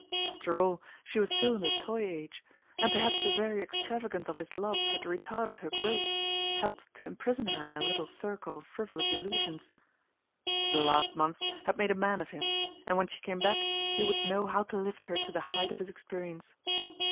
After all, she was still in the toy age; and perhaps the very extravagance of his love had retarded her growth, helped to imprison her in a little circle of frivolous illusions. But the last months had made a man of him, and when she came back he would know how to lift her to the height of his experience.